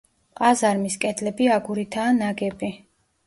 ყაზარმის კედლები აგურითაა ნაგები.